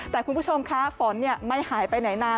แต่คุณผู้ชมคะฝนไม่หายไปไหนนาน